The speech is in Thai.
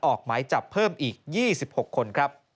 ออกหมายจับเพิ่มอีก๒๖คนครับ